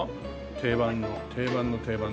定番の定番の定番で。